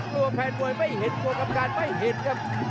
กลัวแพนมวยไม่เห็นอัพการไม่เห็นครับ